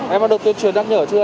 em đã được tuyên truyền nhắc nhở chưa